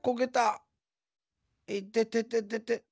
いててててて。